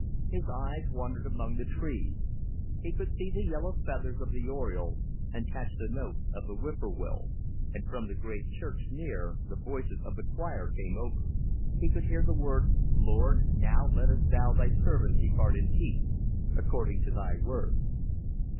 His eyes wandered among the trees. He could see the yellow feathers of the oriole and catch the note of the whippoorwill, and from the great church near the voices of the choir came over. He could hear the words "Lord, now lettest thou thy servant depart in peace, according to thy word."